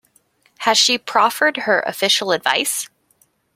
Has she proffered her official advice?